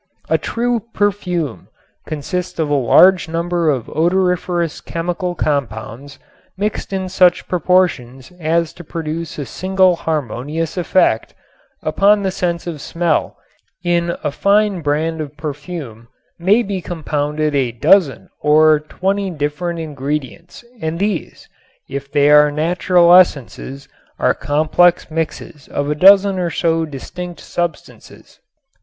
A true perfume consists of a large number of odoriferous chemical compounds mixed in such proportions as to produce a single harmonious effect upon the sense of smell in a fine brand of perfume may be compounded a dozen or twenty different ingredients and these, if they are natural essences, are complex mixtures of a dozen or so distinct substances.